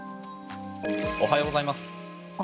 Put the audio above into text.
おはようございます